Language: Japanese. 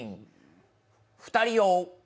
２人用。